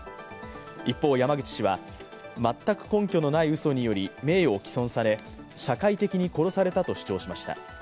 一方、山口氏は全く根拠のないうそにより名誉を毀損され社会的に殺されたと主張しました。